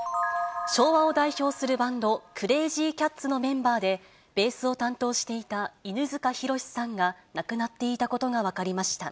昭和を代表するバンド、クレージーキャッツのメンバーでベースを担当していた犬塚弘さんが亡くなっていたことが分かりました。